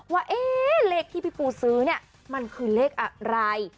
ว่าเอ้ยเลขที่พี่ปูซื้อมันคือเลขอะไร